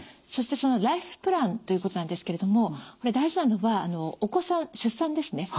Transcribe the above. そしてそのライフプランということなんですけれども大事なのはお子さん出産ですね。